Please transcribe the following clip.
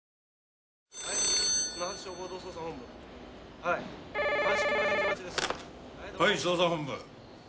はい捜査本部。